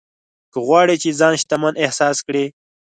که غواړې چې ځان شتمن احساس کړې.